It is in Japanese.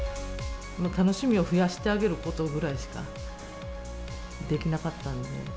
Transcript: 楽しみを増やしてあげることぐらいしかできなかったので。